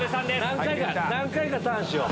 何回か何回かターンしよう。